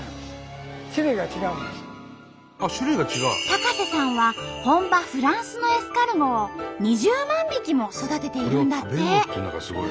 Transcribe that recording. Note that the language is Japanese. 高瀬さんは本場フランスのエスカルゴを２０万匹も育てているんだって。